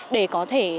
để có thể đồng hành